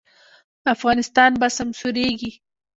افغانستان به سمسوریږي